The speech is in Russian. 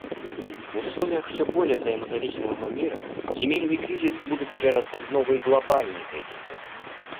В условиях всё более взаимозависимого мира земельные кризисы будут перерастать в новые глобальные кризисы.